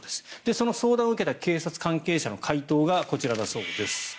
その相談を受けた警察関係者の回答がこちらだそうです。